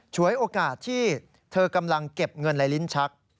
ฉวยโอกาสที่เธอกำลังเก็บเงินในลิ้นชัก